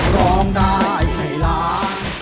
ร้องได้ให้ล้าน